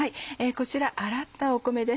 こちら洗った米です。